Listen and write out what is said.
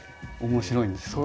面白いんですよ。